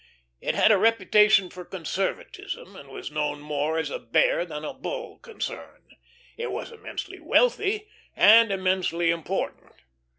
It had a reputation for conservatism, and was known more as a Bear than a Bull concern. It was immensely wealthy and immensely important.